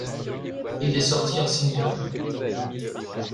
Il est sorti en single.